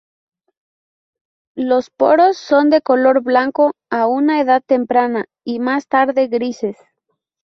Los poros son de color blanco a una edad temprana y más tarde grises.